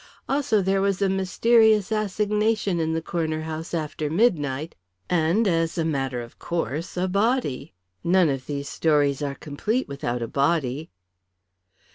Also there was a mysterious assignation in the corner house after midnight, and, as a matter of course, a body. None of these stories are complete without a body."